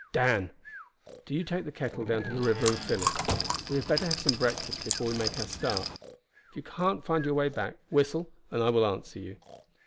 "Dan, do you take the kettle down to the river and fill it. We had better have some breakfast before we make our start. If you can't find your way back, whistle and I will answer you."